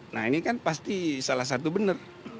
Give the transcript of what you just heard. nah ini kan pasti salah satu benar